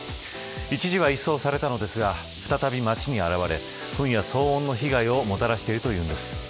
一時は一掃されたのですが再び街に現れ、ふんや騒音の被害をもたらしているというんです。